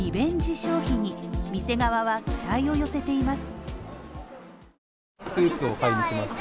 消費に店側は期待を寄せています。